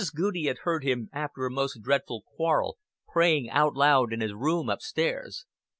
Goudie had heard him, after a most dreadful quarrel, praying out loud in his room up stairs.